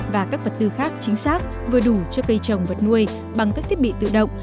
và các vật tư khác chính xác vừa đủ cho cây trồng vật nuôi bằng các thiết bị tự động